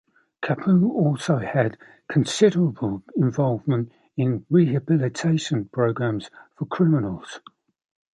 Kopu also had considerable involvement in rehabilitation programs for criminals.